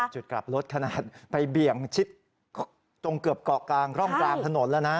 จุดกลับรถขนาดไปเบี่ยงชิดตรงเกือบเกาะกลางร่องกลางถนนแล้วนะ